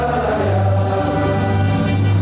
hidup tanahimu istana yang baik